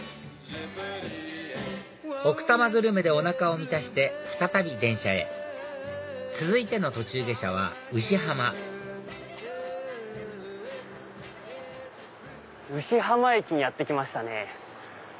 多摩グルメでお腹を満たして再び電車へ続いての途中下車は牛浜牛浜駅にやって来ましたね。